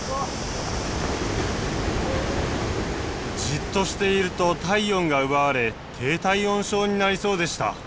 じっとしていると体温が奪われ低体温症になりそうでした。